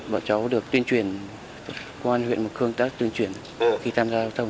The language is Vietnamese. bọn cháu được tuyên truyền công an huyện mộc khương đã tuyên truyền khi tham gia giao thông